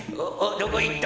どこいった？